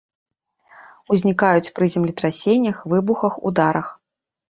Узнікаюць пры землетрасеннях, выбухах, ударах.